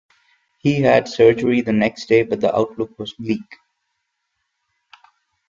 He had surgery the next day, but the outlook was bleak.